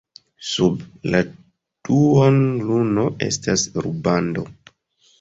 Sub la duonluno estas rubando.